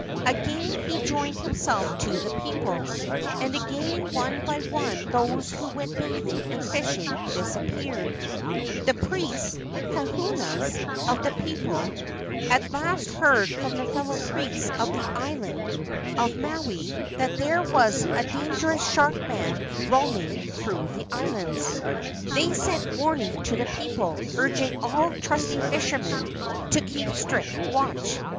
Again he joined himself to the people, and again one by one those who went bathing and fishing disappeared. The priests (kahunas) of the people at last heard from their fellow priests of the island yy' Xr A TRUSTY FISHERMAN THE SHARK MAN OF WAIPIO VALLEY 65 of Maui that there was a dangerous shark man roaming through the islands. They sent warning to the people, urging all trusty fishermen to keep strict watch.